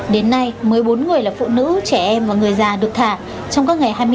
đến nay mới bốn người là phụ nữ trẻ em và người già được thả trong các ngày hai mươi chín